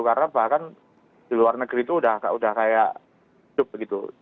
karena bahkan di luar negeri itu udah kayak hidup gitu